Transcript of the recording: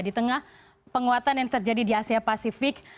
di tengah penguatan yang terjadi di asia pasifik